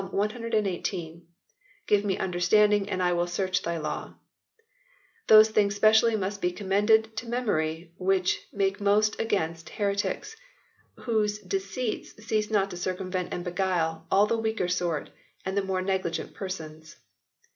Ps. 118, k Give me understanding, and I will search Thy law/ Those things specially must be commended to memorie which make most against Heretikes : whose deceites cease not to circumvent and beguile al the weaker sort and the more negligent persons.